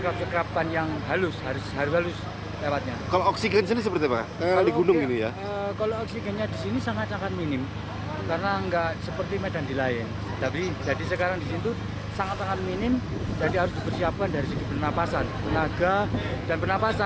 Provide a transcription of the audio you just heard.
pernah nafasan lebih utama pernafasan